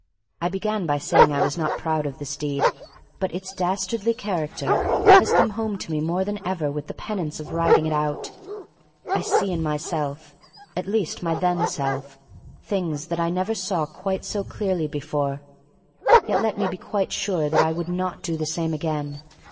I began by saying I was not proud of this deed, but its dastardly character has come home to me more than ever with the penance of writing it out. I see in myself, at least my then self, things that I never saw quite so clearly before. Yet let me be quite sure that I would not do the same again.